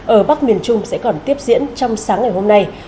ở bắc miền trung sẽ còn tiếp diễn trong sáng ngày hôm nay